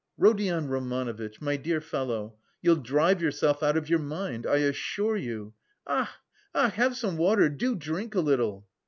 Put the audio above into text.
"Rodion Romanovitch, my dear fellow, you'll drive yourself out of your mind, I assure you, ach, ach! Have some water, do drink a little."